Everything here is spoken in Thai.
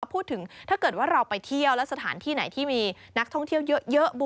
พูดถึงถ้าเกิดว่าเราไปเที่ยวแล้วสถานที่ไหนที่มีนักท่องเที่ยวเยอะ